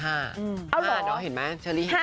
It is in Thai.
อ้าวเหรอเห็นมั้ย